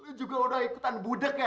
itu juga udah ikutan budeg ya